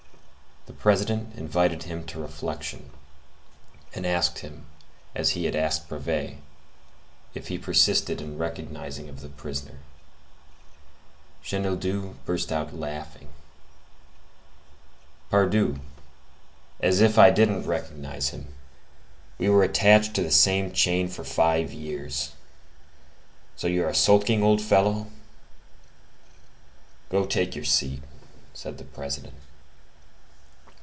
The President invited him to reflection, and asked him as he had asked Brevet, if he persisted in recognition of the prisoner. Chenildieu burst out laughing. "Pardieu, as if I didn't recognize him! We were attached to the same chain for five years. So you are sulking, old fellow?" "Go take your seat," said the President.